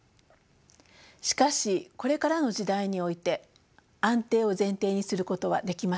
しかしこれからの時代において安定を前提にすることはできません。